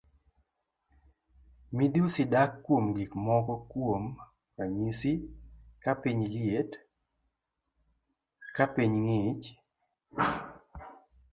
Midhusi dak kuom gik moko kuom ranyisi ka piny liet, ka piny ng'ich.